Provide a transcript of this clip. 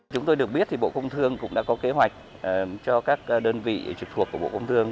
chúng tôi được biết thì bộ công thương cũng đã có kế hoạch cho các đơn vị trực thuộc của bộ công thương